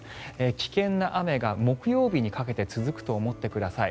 危険な雨が木曜日にかけて続くと思ってください。